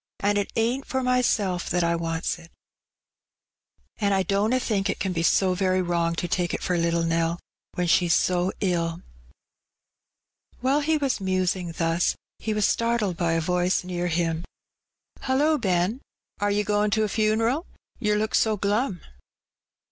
"And it ain't for myself that I wants it, and I dunna think it can be so very wrong to take it for little Nell, when she's so ilL" While he was musing thus, he was startled by a voice near him — "Hullo, Ben, are 'e goin' to a funeral, yer look so glum?''